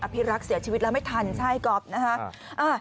พิรักษ์เสียชีวิตแล้วไม่ทันใช่ก๊อฟนะฮะ